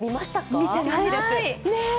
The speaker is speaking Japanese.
見てないです。